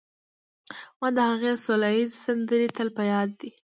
ما د هغې سوله ییزې سندرې تل په یاد دي